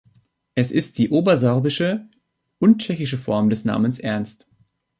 Es ist die obersorbische und tschechische Form des Namens Ernst.